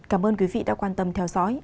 cảm ơn quý vị đã quan tâm theo dõi